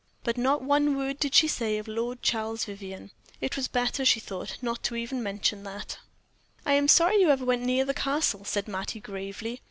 But not one word did she say of Lord Charles Vivianne. It was better, she thought, not even to mention that. "I am sorry you ever went near the Castle," said Mattie, gravely.